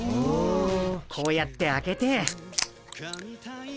こうやって開けて。